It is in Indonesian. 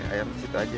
ayam disitu aja